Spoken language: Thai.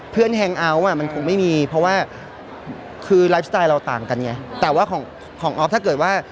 แฮงเอาท์อ่ะมันคงไม่มีเพราะว่าคือไลฟ์สไตล์เราต่างกันไงแต่ว่าของของออฟถ้าเกิดว่า